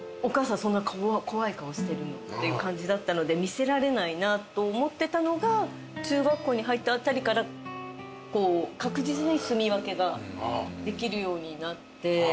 確かに。っていう感じだったので見せられないなと思ってたのが中学校に入ったあたりから確実にすみ分けができるようになって。